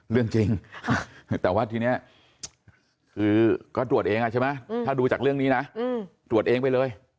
เรื่องจริงแต่ว่าทีนี้คือก็ตรวจเองใช่ไหมถ้าดูจากเรื่องนี้นะตรวจเองไปเลย